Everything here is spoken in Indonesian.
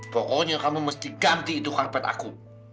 pokoknya kamu mesti ganti itu karpet aku